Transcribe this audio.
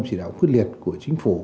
chỉ đạo quyết liệt của chính phủ